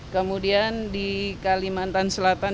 kemudian di kalimantan selatan